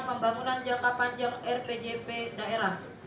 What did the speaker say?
pembangunan jangka panjang rpjp daerah